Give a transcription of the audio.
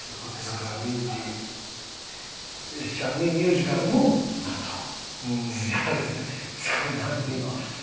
だからミュージカルもなんかやられててすごいなっていうのは。